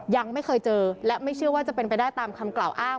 ยังไม่เคยเจอและไม่เชื่อว่าจะเป็นไปได้ตามคำกล่าวอ้าง